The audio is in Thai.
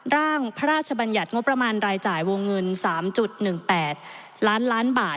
ร่างพระราชบัญญัติงบประมาณรายจ่ายวงเงิน๓๑๘ล้านล้านบาท